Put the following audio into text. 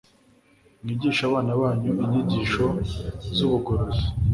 Mwigishe abana banyu inyigisho zubugorozi